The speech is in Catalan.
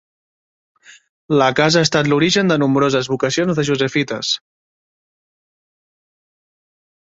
La casa ha estat l'origen de nombroses vocacions de Josephites.